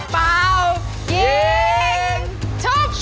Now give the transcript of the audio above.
เป้ายิงชุบ